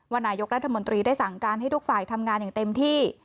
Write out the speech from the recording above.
นายกรัฐมนตรีได้สั่งการให้ทุกฝ่ายทำงานอย่างเต็มที่